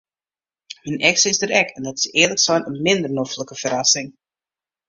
Myn eks is der ek en dat is earlik sein in minder noflike ferrassing.